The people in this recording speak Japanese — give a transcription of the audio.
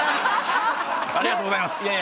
ありがとうございます。